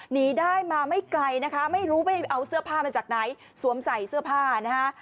หนีได้มาไม่ไกลนะคะไม่รู้ไปเอาเสื้อผ้ามาจากไหนสวมใส่เสื้อผ้านะคะ